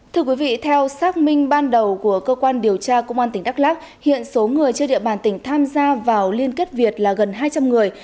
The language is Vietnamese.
thưa quý vị theo xác minh ban đầu của cơ quan điều tra công an tỉnh đắk lắc hiện số người trên địa bàn tỉnh tham gia vào liên kết việt là gần hai trăm linh người